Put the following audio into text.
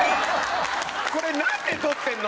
これなんで撮ってんの？